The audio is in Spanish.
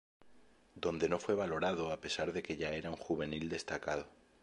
Donde no fue valorado a pesar de que ya era un juvenil destacado.